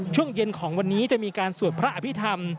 ช่วงเย็นของวันนี้จะมีการสวดพระอภิษฐรรม